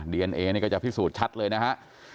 ดีเอนเอนี่ก็จะพิสูจน์ชัดเลยนะฮะ